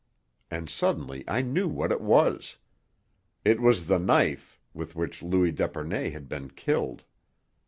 And suddenly I knew what it was. It was the knife with which Louis d'Epernay had been killed!